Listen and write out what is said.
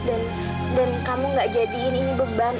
dan kamu gak jadiin ini beban